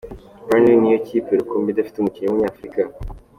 Burnley ni yo kipe rukumbi idafite umukinnyi w’Umunyafurika.